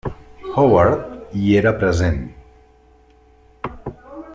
Howard hi era present.